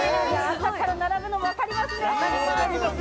朝から並ぶのもわかりますね。